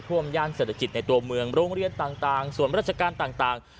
ย่านเศรษฐกิจในตัวเมืองโรงเรียนต่างส่วนราชการต่าง